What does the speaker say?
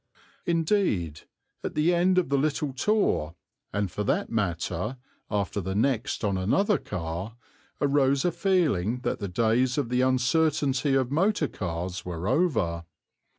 Indeed, at the end of the little tour, and for that matter after the next on another car, arose a feeling that the days of the uncertainty of motor cars were over.